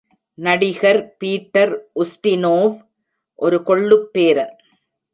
நடிகர் Peter Ustinov ஒரு கொள்ளுப் பேரன்.